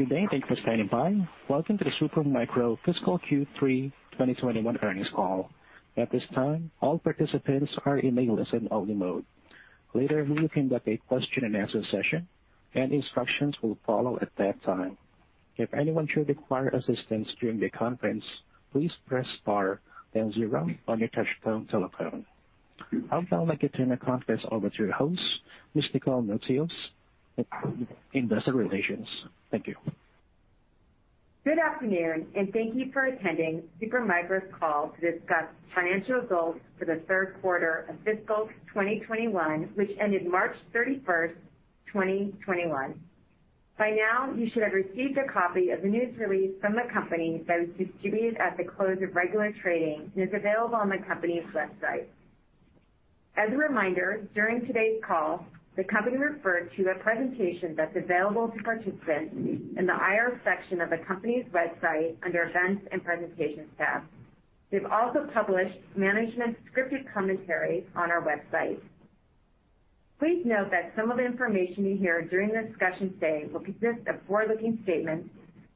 Welcome to the Super Micro fiscal Q3 2021 earnings call.I would like now to turn the conference to the host Mrs. Nicole Noutsios. Good afternoon, and thank you for attending Super Micro's call to discuss financial results for the third quarter of fiscal 2021, which ended March 31st, 2021. By now, you should have received a copy of the news release from the company that was distributed at the close of regular trading and is available on the company's website. As a reminder, during today's call, the company referred to a presentation that's available to participants in the IR section of the company's website under Events and Presentations tab. We've also published management's scripted commentary on our website. Please note that some of the information you hear during the discussion today will consist of forward-looking statements,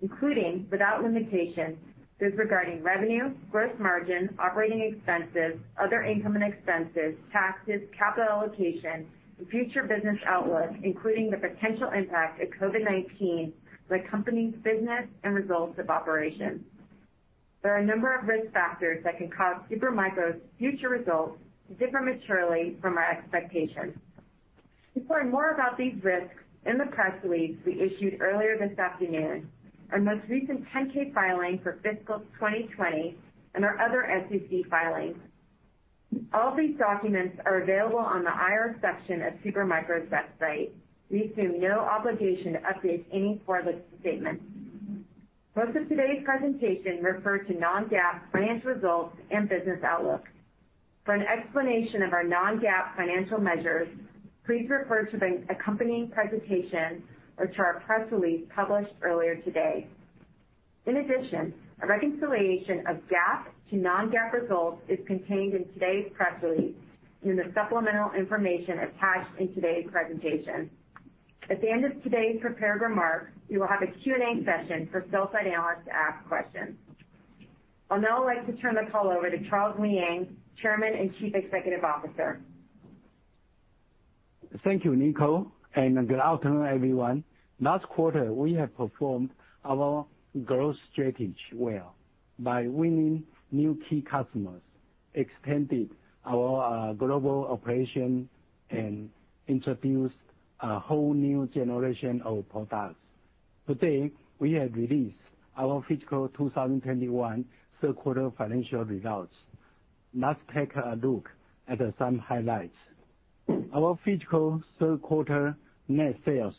including, without limitation, those regarding revenue, gross margin, operating expenses, other income and expenses, taxes, capital allocation, and future business outlook, including the potential impact of COVID-19 on the company's business and results of operations. There are a number of risk factors that can cause Super Micro's future results to differ materially from our expectations. You can find more about these risks in the press release we issued earlier this afternoon, our most recent 10-K filing for fiscal 2020, and our other SEC filings. All these documents are available on the IR section of Super Micro's website. We assume no obligation to update any forward-looking statements. Most of today's presentation refer to non-GAAP financial results and business outlook. For an explanation of our non-GAAP financial measures, please refer to the accompanying presentation or to our press release published earlier today. In addition, a reconciliation of GAAP to non-GAAP results is contained in today's press release in the supplemental information attached in today's presentation. At the end of today's prepared remarks, we will have a Q&A session for sell-side analysts to ask questions. I'd now like to turn the call over to Charles Liang, Chairman and Chief Executive Officer. Thank you, Nicole. Good afternoon, everyone. Last quarter, we have performed our growth strategy well by winning new key customers, expanded our global operation, and introduced a whole new generation of products. Today, we have released our fiscal 2021 third quarter financial results. Let's take a look at some highlights. Our fiscal third quarter net sales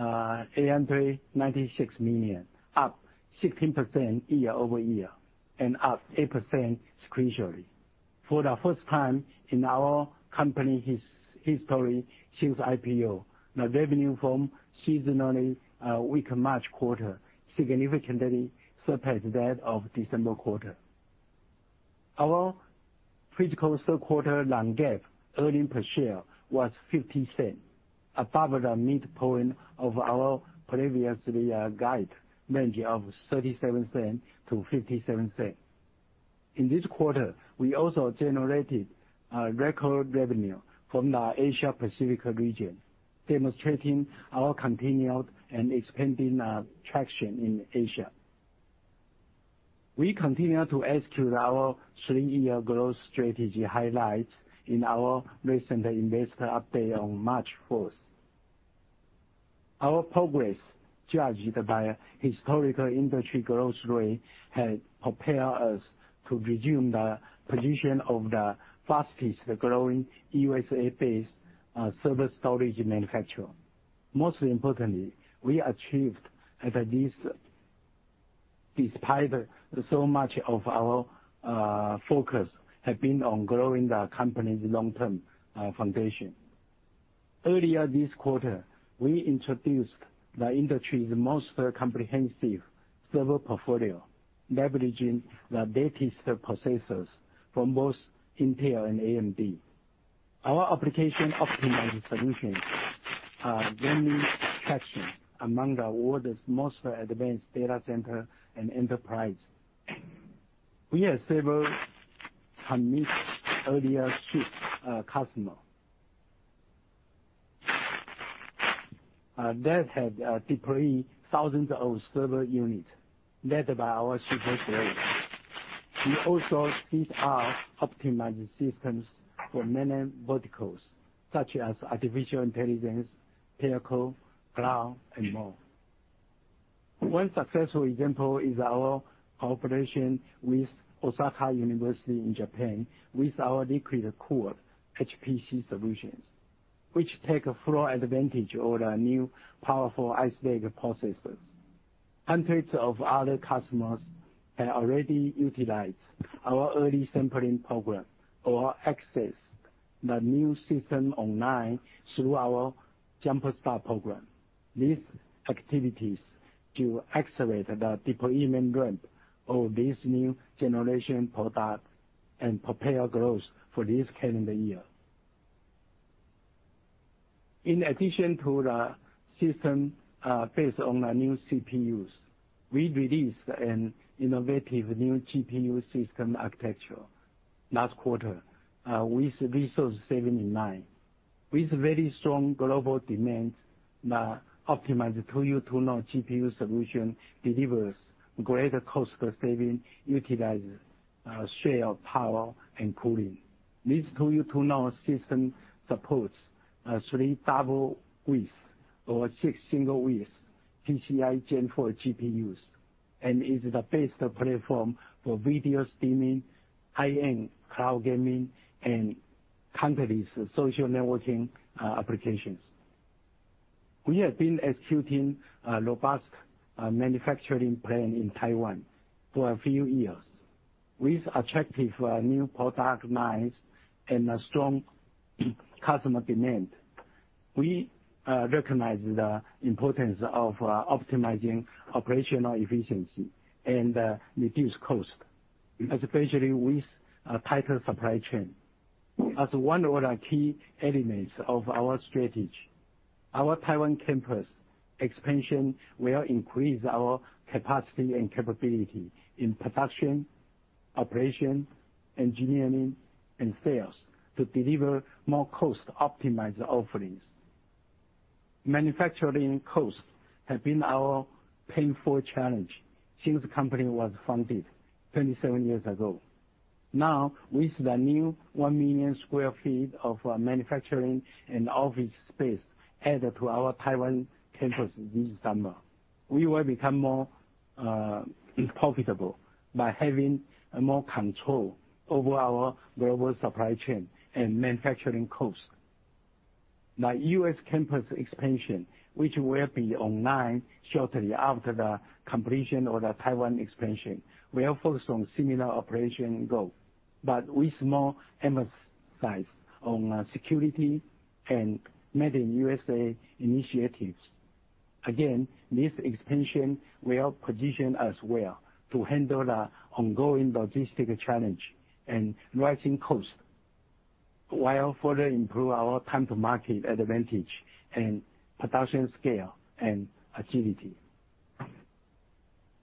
totaled $896 million, up 16% year-over-year and up 8% sequentially. For the first time in our company's history since IPO, the revenue from seasonally weak March quarter significantly surpassed that of December quarter. Our fiscal third quarter non-GAAP earnings per share was $0.50, above the midpoint of our previous guide range of $0.37-$0.57. In this quarter, we also generated record revenue from the Asia Pacific region, demonstrating our continued and expanding traction in Asia. We continue to execute our three-year growth strategy highlights in our recent investor update on March 4th. Our progress, judged by historical industry growth rate, has propelled us to resume the position of the fastest-growing U.S.-based server storage manufacturer. Most importantly, we achieved this despite so much of our focus have been on growing the company's long-term foundation. Earlier this quarter, we introduced the industry's most comprehensive server portfolio, leveraging the latest processors from both Intel and AMD. Our application optimized solutions are gaining traction among the world's most advanced data center and enterprise. We have several committed early ship customers that have deployed thousands of server units led by our Super Micro. We also see our optimized systems for many verticals such as artificial intelligence, Telco, cloud, and more. One successful example is our cooperation with Osaka University in Japan with our liquid-cooled HPC solutions, which take full advantage of the new powerful Ice Lake processors. Hundreds of other customers have already utilized our early sampling program or accessed the new system online through our JumpStart program. These activities to accelerate the deployment ramp of this new generation product and propel growth for this calendar year. In addition to the system based on the new CPUs, we released an innovative new GPU system architecture last quarter, with resource saving in mind. With very strong global demand, the optimized 2U2N GPU solution delivers greater cost saving, utilizes shared power and cooling. This 2U2N system supports three double width or six single width PCI Gen4 GPUs, and is the best platform for video streaming, high-end cloud gaming, and companies' social networking applications. We have been executing a robust manufacturing plan in Taiwan for a few years. With attractive new product lines and a strong customer demand, we recognize the importance of optimizing operational efficiency and reduce cost, especially with a tighter supply chain. As one of the key elements of our strategy, our Taiwan campus expansion will increase our capacity and capability in production, operation, engineering, and sales to deliver more cost optimized offerings. Manufacturing cost has been our painful challenge since the company was founded 27 years ago. Now, with the new 1 million sq ft of manufacturing and office space added to our Taiwan campus this summer, we will become more profitable by having more control over our global supply chain and manufacturing cost. The U.S. campus expansion, which will be online shortly after the completion of the Taiwan expansion, will focus on similar operation goal, but with more emphasis on security and Made in U.S.A initiatives. Again, this expansion will position us well to handle the ongoing logistical challenge and rising cost, while further improve our time to market advantage and production scale and agility.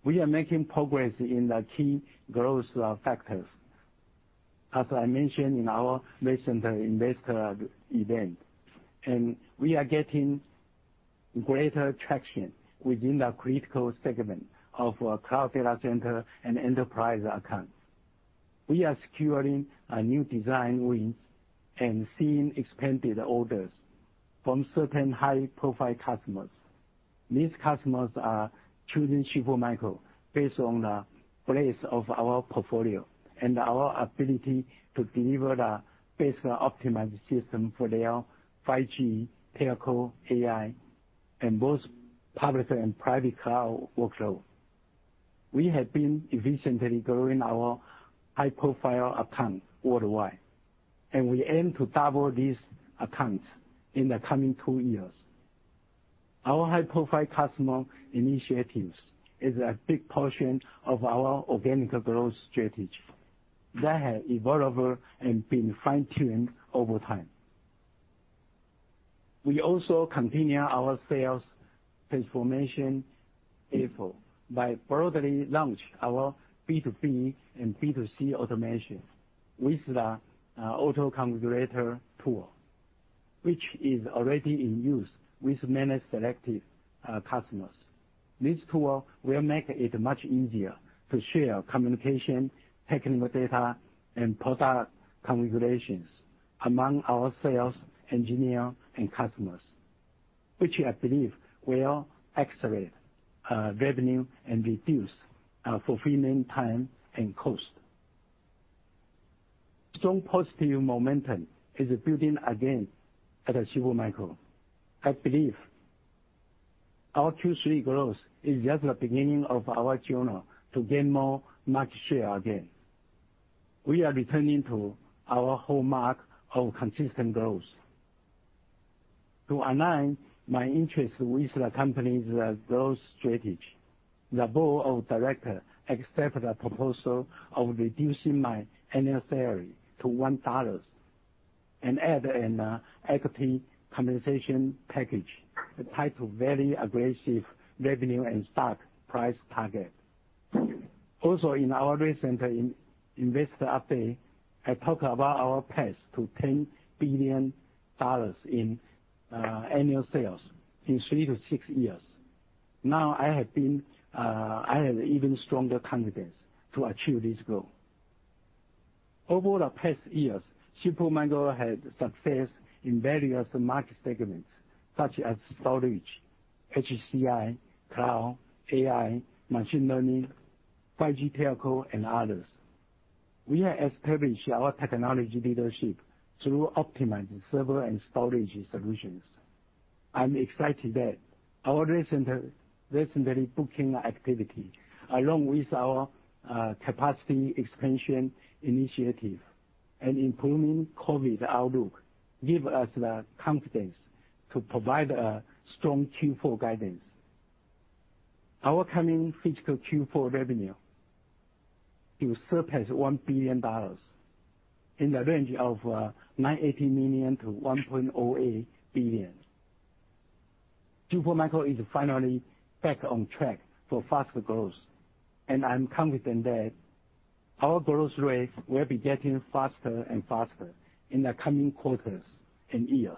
We are making progress in the key growth factors, as I mentioned in our recent investor event, and we are getting greater traction within the critical segment of cloud data center and enterprise accounts. We are securing new design wins and seeing expanded orders from certain high-profile customers. These customers are choosing Super Micro based on the breadth of our portfolio and our ability to deliver the best optimized system for their 5G telco AI and both public and private cloud workflow. We have been efficiently growing our high-profile accounts worldwide, and we aim to double these accounts in the coming two years. Our high-profile customer initiatives is a big portion of our organic growth strategy that has evolved and been fine-tuned over time. We also continue our sales transformation effort by broadly launch our B2B and B2C automation with the auto configurator tool, which is already in use with many selective customers. This tool will make it much easier to share communication, technical data, and product configurations among our sales engineer and customers, which I believe will accelerate revenue and reduce our fulfillment time and cost. Strong positive momentum is building again at Super Micro. I believe our Q3 growth is just the beginning of our journey to gain more market share again. We are returning to our hallmark of consistent growth. To align my interest with the company's growth strategy, the board of directors accept the proposal of reducing my annual salary to $1 and add an equity compensation package tied to very aggressive revenue and stock price target. In our recent investor update, I talk about our path to $10 billion in annual sales in three to six years. Now, I have even stronger confidence to achieve this goal. Over the past years, Super Micro had success in various market segments such as storage, HCI, cloud, AI, machine learning, 5G telco, and others. We have established our technology leadership through optimized server and storage solutions. I'm excited that our recent booking activity, along with our capacity expansion initiative and improving COVID outlook, give us the confidence to provide a strong Q4 guidance. Our coming fiscal Q4 revenue will surpass $1 billion, in the range of $980 million-$1.08 billion. Super Micro is finally back on track for faster growth, and I'm confident that our growth rate will be getting faster and faster in the coming quarters and years.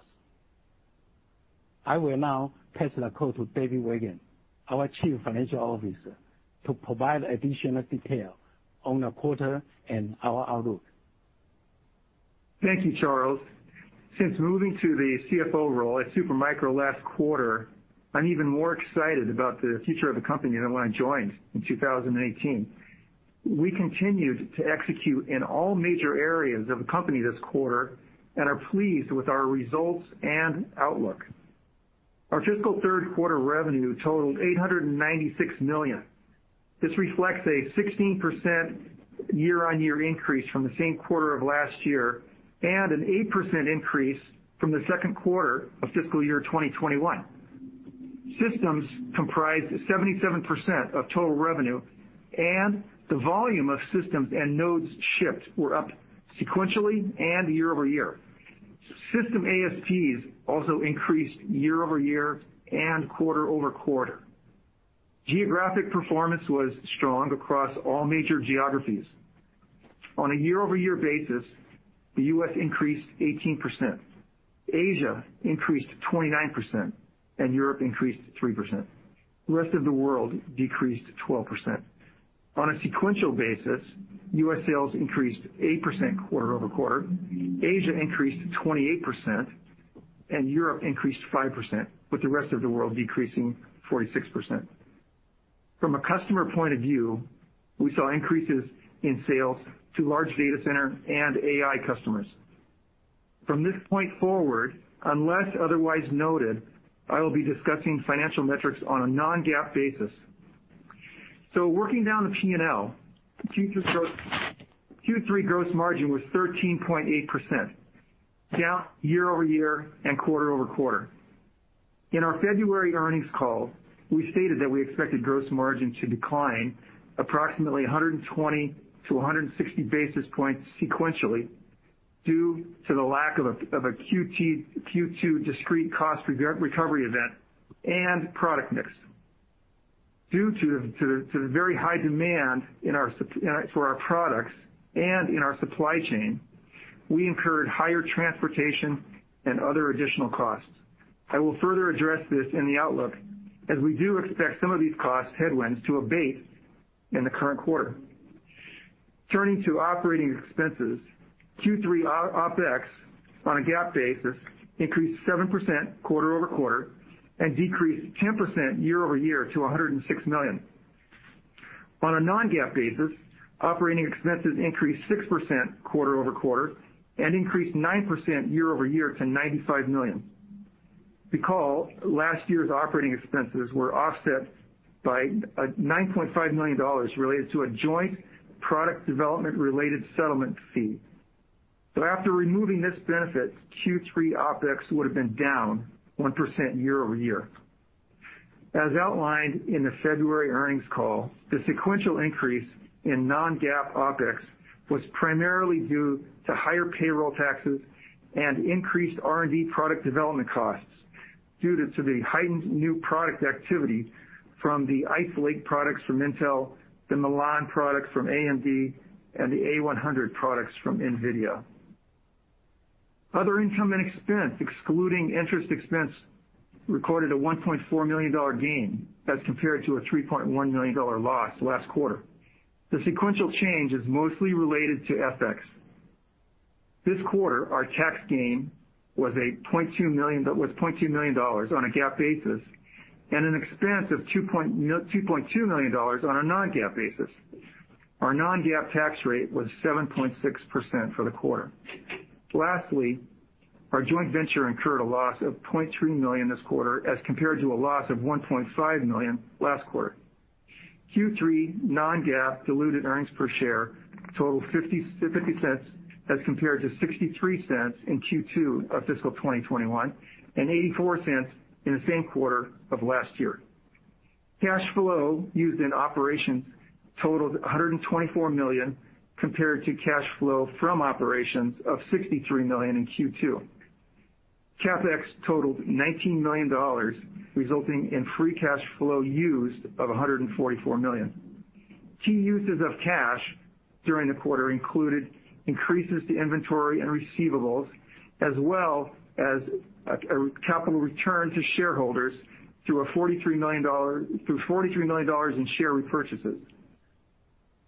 I will now pass the call to David Weigand, our Chief Financial Officer, to provide additional detail on the quarter and our outlook. Thank you, Charles. Since moving to the CFO role at Super Micro last quarter, I'm even more excited about the future of the company than when I joined in 2018. We continued to execute in all major areas of the company this quarter and are pleased with our results and outlook. Our fiscal third quarter revenue totaled $896 million. This reflects a 16% year-on-year increase from the same quarter of last year, and an 8% increase from the second quarter of fiscal year 2021. Systems comprised 77% of total revenue, and the volume of systems and nodes shipped were up sequentially and year-over-year. System ASPs also increased year-over-year and quarter-over-quarter. Geographic performance was strong across all major geographies. On a year-over-year basis, the U.S. increased 18%, Asia increased 29%, and Europe increased 3%. The rest of the world decreased 12%. On a sequential basis, U.S. sales increased 8% quarter-over-quarter, Asia increased 28%, and Europe increased 5%, with the rest of the world decreasing 46%. From a customer point of view, we saw increases in sales to large data center and AI customers. From this point forward, unless otherwise noted, I will be discussing financial metrics on a non-GAAP basis. Working down the P&L, Q3 gross margin was 13.8%, down year-over-year and quarter-over-quarter. In our February earnings call, we stated that we expected gross margin to decline approximately 120-160 basis points sequentially due to the lack of a Q2 discrete cost recovery event and product mix. Due to the very high demand for our products and in our supply chain, we incurred higher transportation and other additional costs. I will further address this in the outlook, as we do expect some of these cost headwinds to abate in the current quarter. Turning to operating expenses, Q3 OpEx on a GAAP basis increased 7% quarter-over-quarter and decreased 10% year-over-year to $106 million. On a non-GAAP basis, operating expenses increased 6% quarter-over-quarter and increased 9% year-over-year to $95 million. Recall last year's operating expenses were offset by $9.5 million related to a joint product development-related settlement fee. After removing this benefit, Q3 OpEx would've been down 1% year-over-year. As outlined in the February earnings call, the sequential increase in non-GAAP OpEx was primarily due to higher payroll taxes and increased R&D product development costs due to the heightened new product activity from the Ice Lake products from Intel, the Milan products from AMD, and the A100 products from NVIDIA. Other income and expense, excluding interest expense, recorded a $1.4 million gain as compared to a $3.1 million loss last quarter. The sequential change is mostly related to FX. This quarter, our tax gain was $0.2 million on a GAAP basis and an expense of $2.2 million on a non-GAAP basis. Our non-GAAP tax rate was 7.6% for the quarter. Our joint venture incurred a loss of $0.3 million this quarter as compared to a loss of $1.5 million last quarter. Q3 non-GAAP diluted earnings per share totaled $0.50 as compared to $0.63 in Q2 of fiscal 2021, and $0.84 in the same quarter of last year. Cash flow used in operations totaled $124 million compared to cash flow from operations of $63 million in Q2. CapEx totaled $19 million, resulting in free cash flow used of $144 million. Key uses of cash during the quarter included increases to inventory and receivables, as well as a capital return to shareholders through $43 million in share repurchases.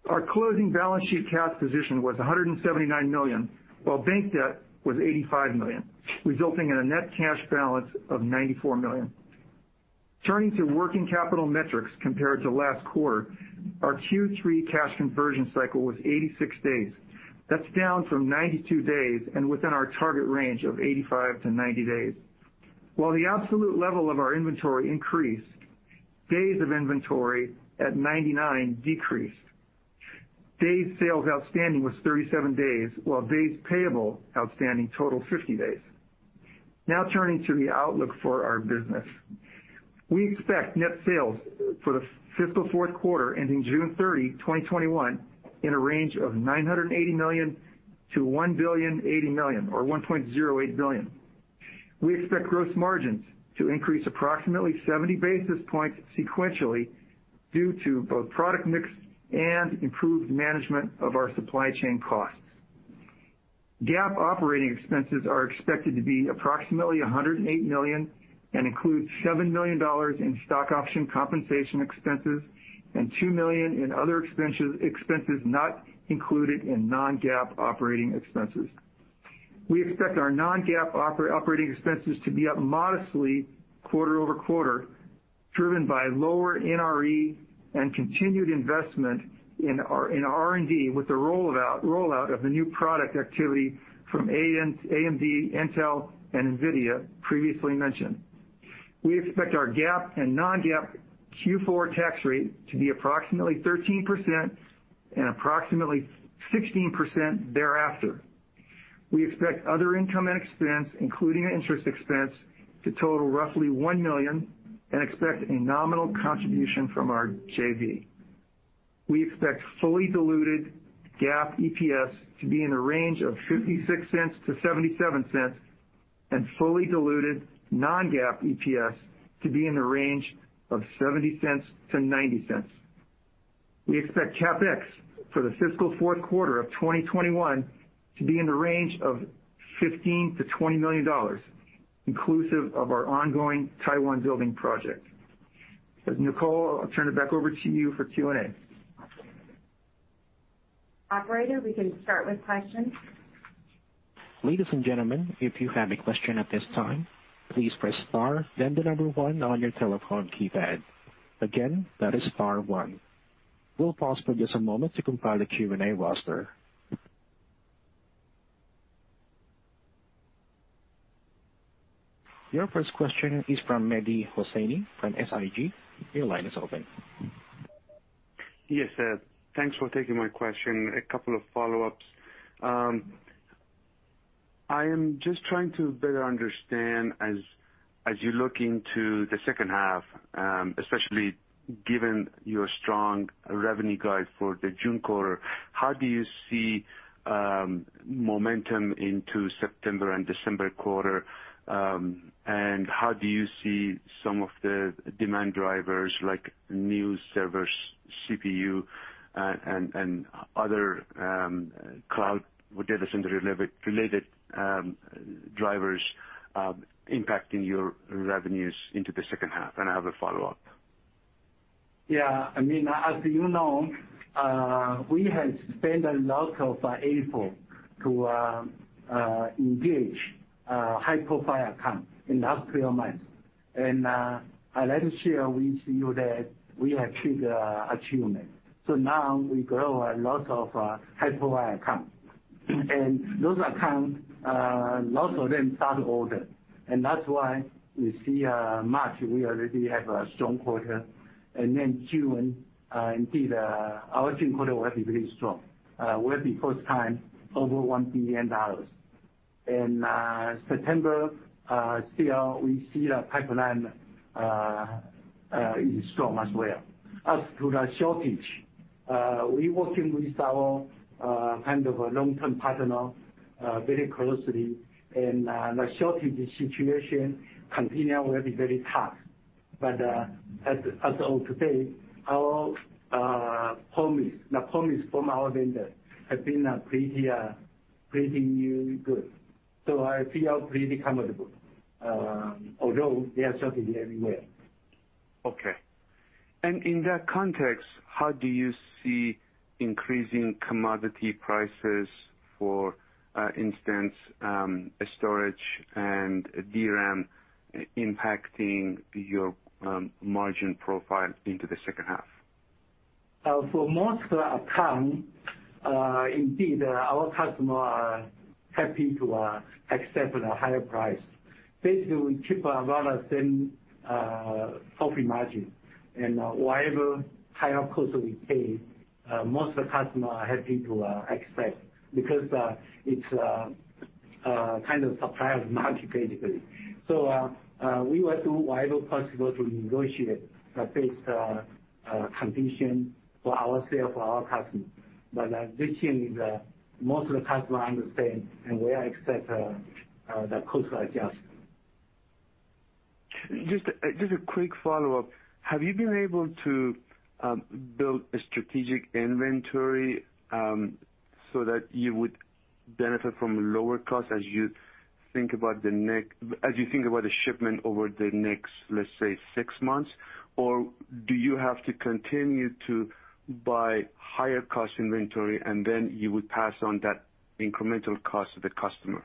Our closing balance sheet cash position was $179 million, while bank debt was $85 million, resulting in a net cash balance of $94 million. Turning to working capital metrics compared to last quarter, our Q3 cash conversion cycle was 86 days. That's down from 92 days and within our target range of 85-90 days. While the absolute level of our inventory increased, days of inventory at 99 decreased. Days sales outstanding was 37 days, while days payable outstanding totaled 50 days. Turning to the outlook for our business. We expect net sales for the fiscal fourth quarter ending June 30, 2021, in a range of $980 million-$1.08 billion or $1.08 billion. We expect gross margins to increase approximately 70 basis points sequentially due to both product mix and improved management of our supply chain costs. GAAP operating expenses are expected to be approximately $108 million and include $7 million in stock option compensation expenses and $2 million in other expenses not included in non-GAAP operating expenses. We expect our non-GAAP operating expenses to be up modestly quarter-over-quarter, driven by lower NRE and continued investment in R&D with the rollout of the new product activity from AMD, Intel, and NVIDIA previously mentioned. We expect our GAAP and non-GAAP Q4 tax rate to be approximately 13% and approximately 16% thereafter. We expect other income and expense, including interest expense, to total roughly $1 million and expect a nominal contribution from our JV. We expect fully diluted GAAP EPS to be in a range of $0.56-$0.77 and fully diluted non-GAAP EPS to be in the range of $0.70-$0.90. We expect CapEx for the fiscal fourth quarter of 2021 to be in the range of $15 million-$20 million, inclusive of our ongoing Taiwan building project. Nicole, I'll turn it back over to you for Q&A. Operator, we can start with questions. Ladies and gentlemen, if you have a question at this time, please press star then the number one on your telephone keypad. Again, that is star one. We'll pause for just a moment to compile a Q&A roster. Your first question is from Mehdi Hosseini from SIG. Your line is open. Yes. Thanks for taking my question. A couple of follow-ups. I am just trying to better understand, as you look into the second half, especially given your strong revenue guide for the June quarter, how do you see momentum into September and December quarter, and how do you see some of the demand drivers like new servers, CPU, and other cloud data center-related drivers impacting your revenues into the second half? I have a follow-up. Yeah. As you know, we have spent a lot of effort to engage high-profile accounts in the last 12 months. I like to share with you that we have achieved our achievement. Now we grow a lot of high-profile accounts. Those accounts, lots of them start orders. That's why you see March, we already have a strong quarter. Then June, indeed, our June quarter will be very strong. Will be first time over $1 billion. In September, still we see the pipeline is strong as well. As to the shortage, we working with our long-term partner very closely, and the shortage situation continue very, very tight. But as of today, our promise from our vendor has been pretty good. I feel pretty comfortable. Although there are shortages everywhere. Okay. In that context, how do you see increasing commodity prices, for instance, storage and DRAM, impacting your margin profile into the second half? For most accounts, indeed, our customers are happy to accept the higher price. Basically, we keep around the same profit margin, and whatever higher cost we pay, most of the customers are happy to accept because it's a kind of supplier market, basically. We will do whatever possible to negotiate the best condition for ourselves, for our customers. Recently, most of the customers understand, and we are accept that cost adjustment. Just a quick follow-up. Have you been able to build a strategic inventory, so that you would benefit from lower cost as you think about the shipment over the next, let's say, six months? Do you have to continue to buy higher cost inventory, and then you would pass on that incremental cost to the customer?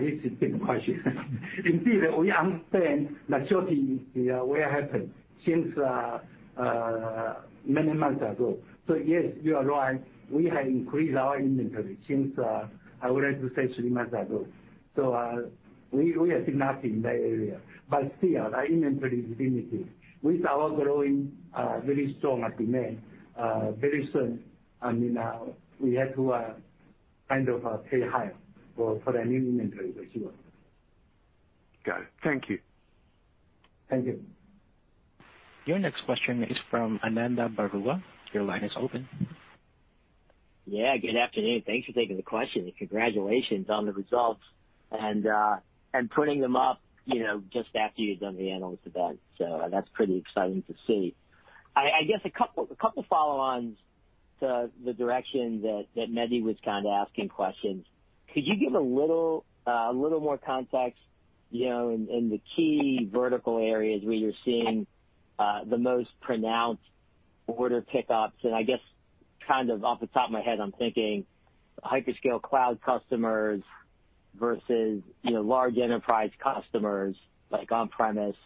This is a big question. Indeed, we understand the shortage will happen since many months ago. Yes, you are right. We have increased our inventory since, I would like to say three months ago. We have enough in that area. Still, our inventory is limited. With our growing very strong demand, very soon, we have to Kind of pay higher for the new inventory that you want. Got it. Thank you. Thank you. Your next question is from Ananda Baruah. Your line is open. Yeah, good afternoon. Thanks for taking the question. Congratulations on the results and putting them up just after you'd done the analyst event. That's pretty exciting to see. I guess a couple follow-ons to the direction that Mehdi was kind of asking questions. Could you give a little more context in the key vertical areas where you're seeing the most pronounced order pick-ups? I guess, kind of off the top of my head, I'm thinking hyperscale cloud customers versus large enterprise customers, like on-premise,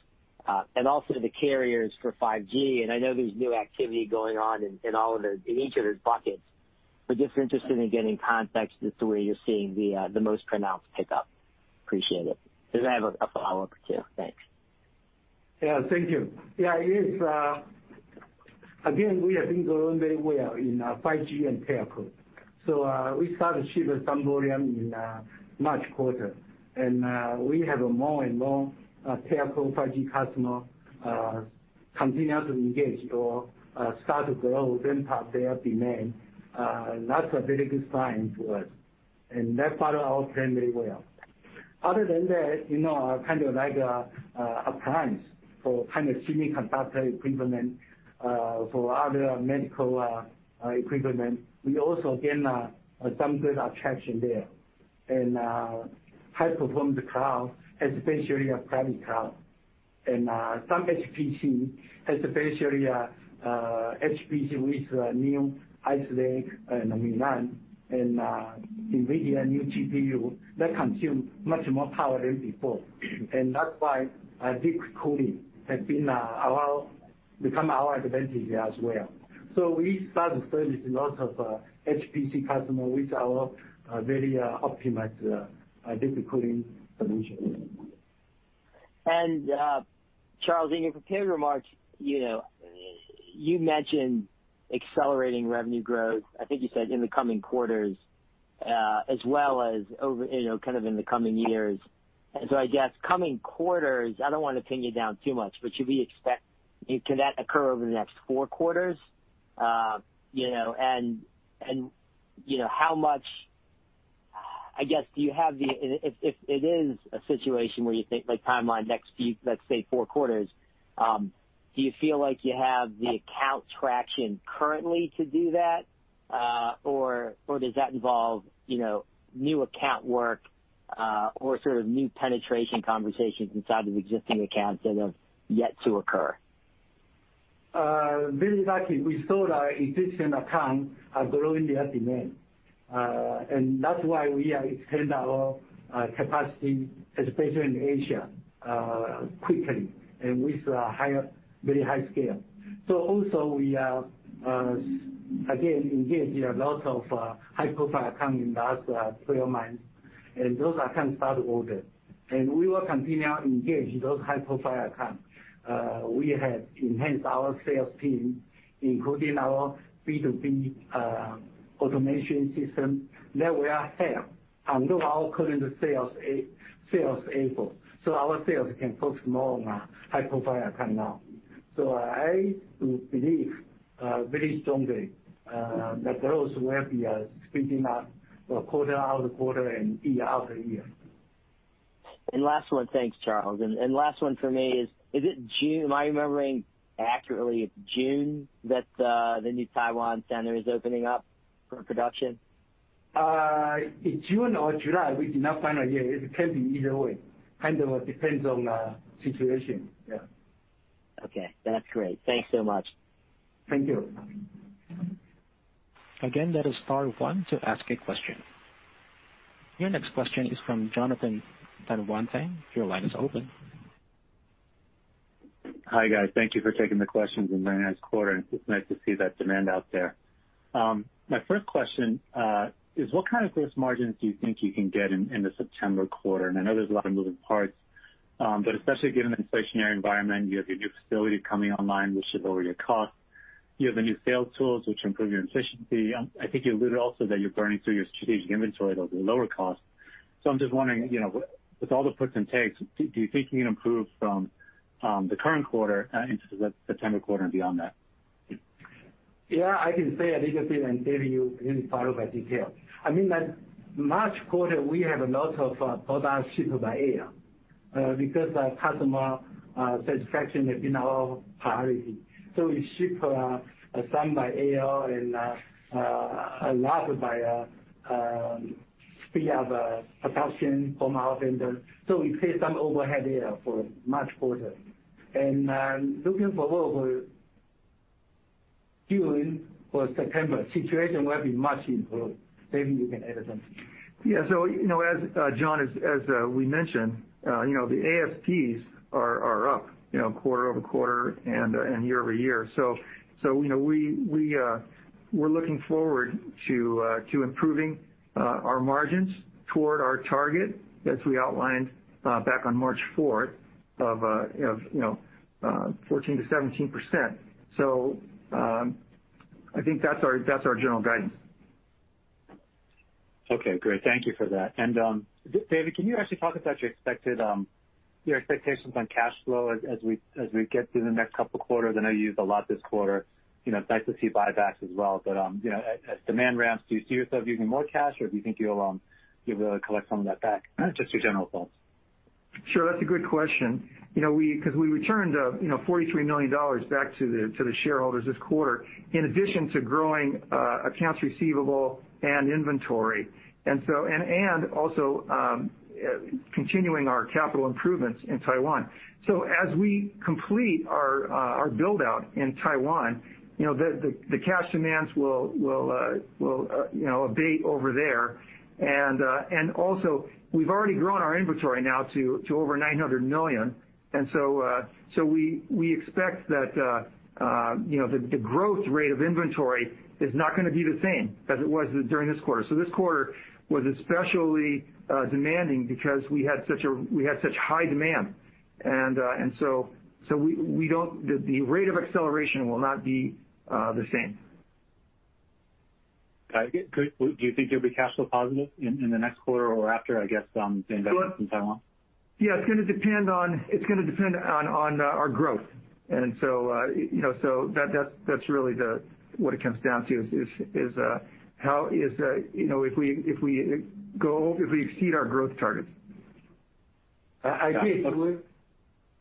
and also the carriers for 5G. I know there's new activity going on in each of those buckets, just interested in getting context as to where you're seeing the most pronounced pick-up. Appreciate it. I have a follow-up too. Thanks. Yeah, thank you. Yeah, it is. We have been growing very well in 5G telco. We started to ship some volume in March quarter, and we have more and more 5G telco customer continuing to engage or start to grow and ramp up their demand. That's a very good sign for us, and that part of our plan very well. Other than that, our kind of like appliance for kind of semiconductor equipment, for other medical equipment, we also gain some good traction there. High performance cloud, especially a private cloud, and some HPC, especially HPC with new Ice Lake and Milan and NVIDIA new GPU, that consume much more power than before. That's why liquid cooling has become our advantage as well. We started to service lots of HPC customer with our very optimized liquid cooling solution. Charles, in your prepared remarks, you mentioned accelerating revenue growth, I think you said in the coming quarters, as well as kind of in the coming years. I guess coming quarters, I don't want to pin you down too much, but should we expect, can that occur over the next four quarters? How much, I guess, do you have the If it is a situation where you think, like timeline, next, let's say, four quarters, do you feel like you have the account traction currently to do that? Does that involve new account work or sort of new penetration conversations inside of existing accounts that have yet to occur? Very lucky. We saw our existing account growing their demand. That's why we have expanded our capacity, especially in Asia, quickly and with very high scale. Also we are, again, engaged in a lot of high-profile account in those clear minds, and those accounts start to order. We will continue to engage those high-profile accounts. We have enhanced our sales team, including our B2B automation system that will help handle our current sales effort. Our sales can focus more on high-profile account now. I believe very strongly that those will be speeding up quarter-over-quarter and year-over-year. Last one. Thanks, Charles. Last one for me is, am I remembering accurately, it's June that the new Taiwan center is opening up for production? It's June or July. We did not finalize yet. It can be either way. Kind of depends on the situation. Yeah. Okay. That's great. Thanks so much. Thank you. Again, that is star one to ask a question. Your next question is from Jonathan Tanwanteng. Your line is open. Hi, guys. Thank you for taking the questions and very nice quarter. It's nice to see that demand out there. My first question is, what kind of gross margins do you think you can get in the September quarter? I know there's a lot of moving parts, but especially given the inflationary environment, you have your new facility coming online, which should lower your cost. You have the new sales tools, which improve your efficiency. I think you alluded also that you're burning through your strategic inventory. Those are lower cost. I'm just wondering, with all the puts and takes, do you think you can improve from the current quarter into the September quarter and beyond that? Yeah, I can say a little bit and David, you can follow by detail. I mean that March quarter, we have a lot of products shipped by air because customer satisfaction has been our priority. We ship some by air and a lot by speed of production from our vendor. We pay some overhead there for March quarter. Looking forward for June or September, situation will be much improved. David, you can add something. Yeah. Jon, as we mentioned, the ASPs are up quarter-over-quarter and year-over-year. We're looking forward to improving our margins toward our target as we outlined back on March 4th, of 14%-17%. I think that's our general guidance. Okay, great. Thank you for that. David, can you actually talk about your expectations on cash flow as we get through the next couple of quarters? I know you used a lot this quarter. It's nice to see buybacks as well. As demand ramps, do you see yourself using more cash or do you think you'll be able to collect some of that back? Just your general thoughts. Sure. That's a good question because we returned $43 million back to the shareholders this quarter, in addition to growing accounts receivable and inventory, and also continuing our capital improvements in Taiwan. As we complete our build-out in Taiwan, the cash demands will abate over there. Also, we've already grown our inventory now to over $900 million, and so we expect that the growth rate of inventory is not going to be the same as it was during this quarter. This quarter was especially demanding because we had such high demand. The rate of acceleration will not be the same. Got it. Good. Do you think you'll be cash flow positive in the next quarter or after, I guess, the investment in Taiwan? Yeah, it's going to depend on our growth. That's really what it comes down to, is if we exceed our growth targets. I think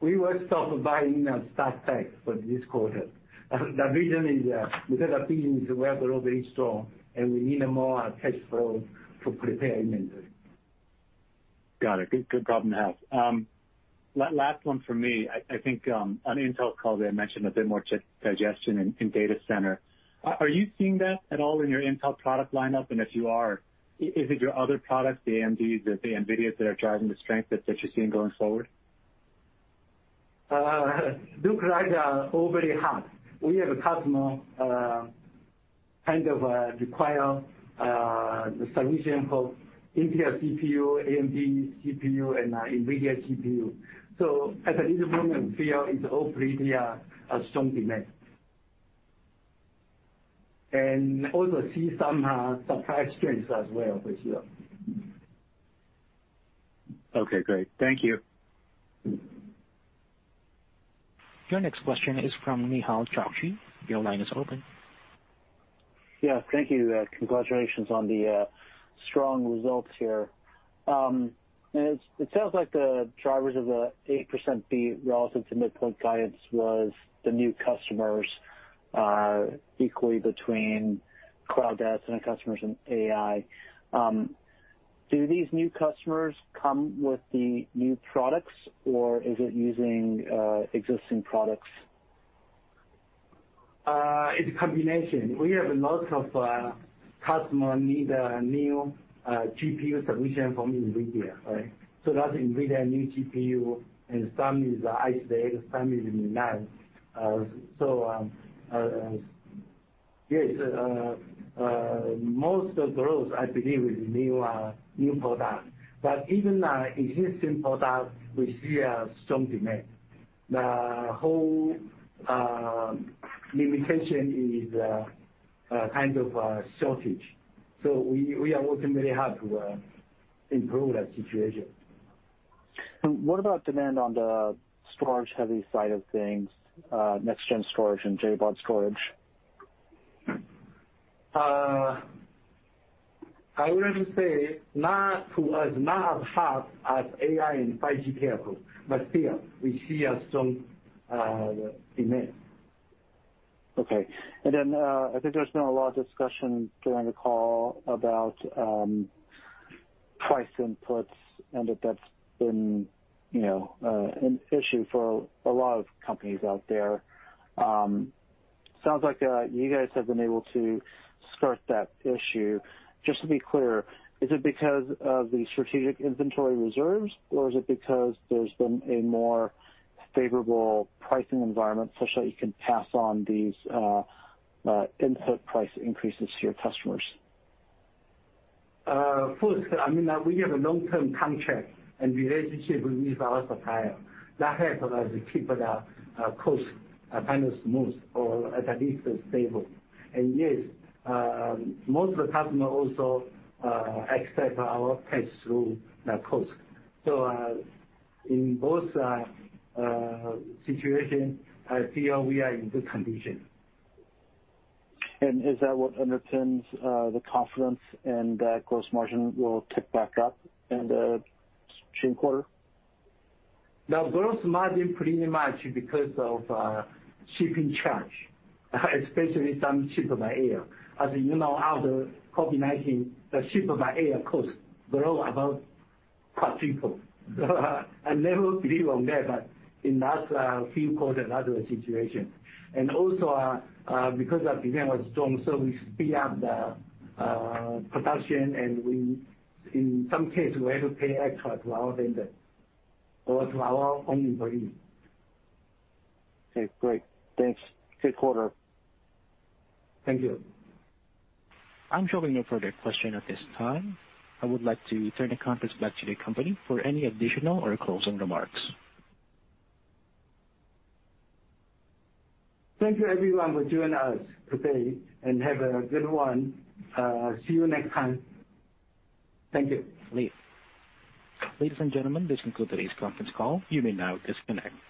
we will stop buying stock back for this quarter. Our feeling is we are already strong, and we need more cash flow to prepare inventory. Got it. Good problem to have. Last one from me. I think on Intel call, they mentioned a bit more digestion in data center. Are you seeing that at all in your Intel product lineup? If you are, is it your other products, the AMDs or the NVIDIAs, that are driving the strength that you're seeing going forward? Look like they are overly hot. We have a customer kind of require the solution for Intel CPU, AMD CPU, and NVIDIA CPU. At this moment, we feel it's all pretty strong demand. We also see some supply constraints as well this year. Okay, great. Thank you. Your next question is from Nehal Chokshi. Your line is open. Yeah, thank you. Congratulations on the strong results here. It sounds like the drivers of the 8% beat relative to midpoint guidance was the new customers, equally between cloud data center customers and AI. Do these new customers come with the new products, or is it using existing products? It's a combination. We have a lot of customers need a new GPU solution from NVIDIA. That's NVIDIA new GPU, and some need Ice Lake, some need Milan. Yes, most of the growth, I believe, is new product. Even existing product, we see a strong demand. The whole limitation is kind of a shortage. We are working very hard to improve that situation. What about demand on the storage-heavy side of things, next-gen storage and JBOD storage? I would say to us, not as hot as AI and 5G telco. Still, we see a strong demand. Okay. I think there's been a lot of discussion during the call about price inputs and that's been an issue for a lot of companies out there. Sounds like you guys have been able to skirt that issue. Just to be clear, is it because of the strategic inventory reserves, or is it because there's been a more favorable pricing environment such that you can pass on these input price increases to your customers? First, we have a long-term contract and relationship with our supplier. That helps us to keep the cost kind of smooth or at least stable. Yes, most of the customers also accept our pass-through cost. In both situations, I feel we are in good condition. Is that what underpins the confidence in the gross margin will tick back up in the next quarter? The gross margin pretty much because of shipping charge, especially some ship by air. As you know, after COVID-19, the ship by air cost grow about quadruple. I never believe on that. In last few quarters another situation. Also because our demand was strong, so we speed up the production, and in some cases, we have to pay extra to our vendor or to our own employees. Okay, great. Thanks. Good quarter. Thank you. I'm showing no further question at this time. I would like to turn the conference back to the company for any additional or closing remarks. Thank you everyone for joining us today, and have a good one. See you next time. Thank you. Ladies and gentlemen, this concludes today's conference call. You may now disconnect.